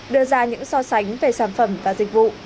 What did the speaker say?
đưa ra những so sánh về sản phẩm và dịch vụ